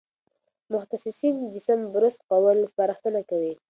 متخصصین د سم برس کولو سپارښتنه کوي.